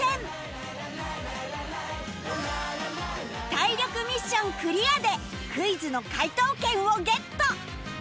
体力ミッションクリアでクイズの解答権をゲット